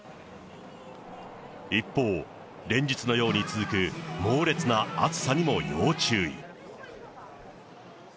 一方、連日のように続く猛烈な暑さにも要注意。